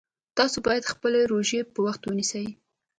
تاسو باید خپلې روژې په وخت ونیسئ